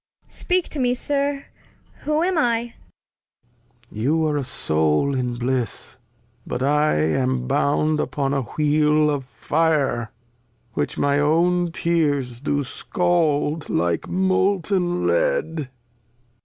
• Cord. Speak to me. Sir, whom am I ? Lear. You are a Soul in Bliss, but I am bound Upon a Wheel of Fire, which my own Tears Do scald hke Molten Lead. Cord.